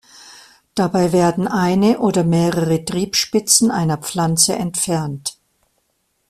Dabei werden eine oder mehrere Triebspitzen einer Pflanze entfernt.